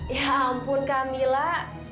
ya ampun kamilah